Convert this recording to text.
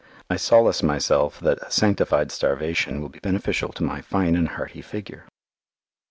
I solace myself that sanctified starvation will be beneficial to my "fine and hearty" figure.